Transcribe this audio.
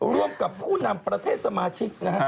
ร่วมกับผู้นำประเทศสมาชิกนะฮะ